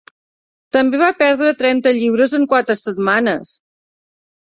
També va perdre trenta lliures en quatre setmanes.